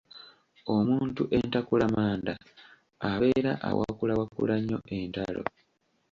Omuntu entakulamanda abeera awakulawakula nnyo entalo.